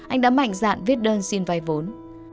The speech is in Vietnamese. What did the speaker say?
anh đã mạnh dạn viết đơn xin vai vốn